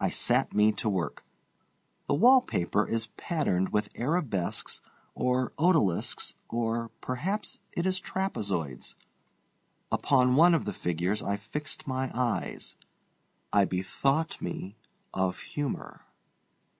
I sat me to work. The wall paper is patterned with arabesques or odalisks or—perhaps—it is trapezoids. Upon one of the figures I fixed my eyes. I bethought me of humor.